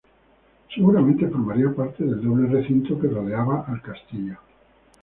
Seguramente formarían parte del doble recinto que rodeaba al castillo.